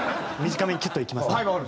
短めにキュッといきますね。